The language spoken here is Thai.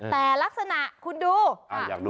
แต่ลักษณะคุณดู